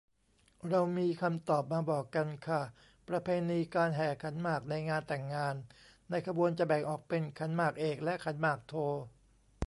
เรามีคำตอบมาบอกกันค่ะ ประเพณีการแห่ขันหมากในงานแต่งงาน ในขบวนจะแบ่งออกเป็น ขันหมากเอก และ ขันหมากโท